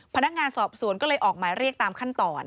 พนักงานสอบสวนก็เลยออกหมายเรียกตามขั้นตอน